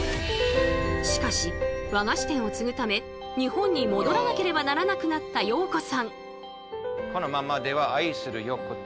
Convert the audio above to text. しかし和菓子店を継ぐため日本に戻らなければならなくなった洋子さん。